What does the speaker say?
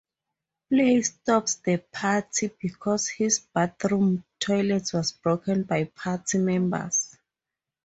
Play stops the party because his bathroom toilet was broken by party members.